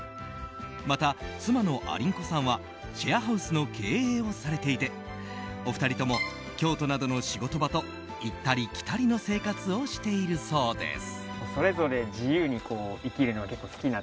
また、妻のありんこさんはシェアハウスの経営をされていてお二人とも、京都などの仕事場と行ったり来たりの生活をしているそうです。